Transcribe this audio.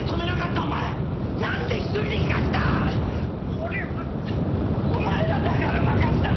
俺はお前らだから任せたんだ。